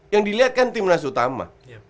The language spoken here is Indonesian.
yang dilihat kan tim nasi utama